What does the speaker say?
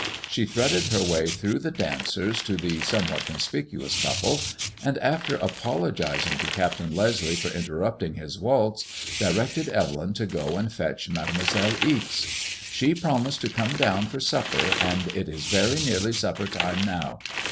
She threaded her way through the dancers to the somewhat conspicuous couple, and after apologizing to Captain Leslie for interrupting his waltz, directed Evelyn to go and fetch Made moiselle Ixe. " She promised to come down for supper, and it is very nearly supper time now.